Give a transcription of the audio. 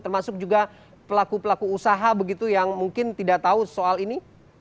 termasuk juga pelaku pelaku usaha begitu yang mungkin tidak tahu soal ini